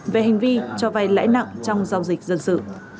về hành vi cho vay lãi nặng trong giao dịch dân sự